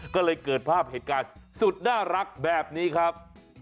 ก็เลยเกิดภาพเหตุการณ์สุดน่ารักแบบนี้ครับ